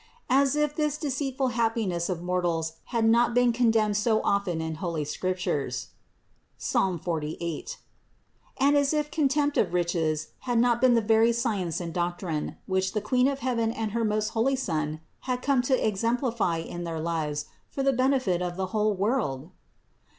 As if this deceitful happiness of mortals had not been condemned so often in holy Scriptures (Ps. 48), and as if contempt of riches had not been the very science and doctrine, which the Queen of heaven and her most holy Son had come to exemplify in their lives for the benefit of the whole world!